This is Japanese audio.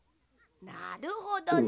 なるほどね。